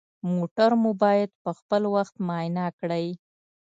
موټر مو باید پخپل وخت معاینه کړئ.